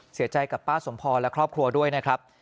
เสียใจกับป้าสมพรและครอบครัวด้วยนะครับ